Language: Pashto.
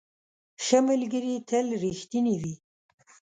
ښه ملګري تل رښتیني وي.